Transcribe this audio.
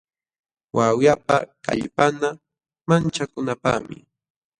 Wawyapa kallpanqa manchakunapaqmi.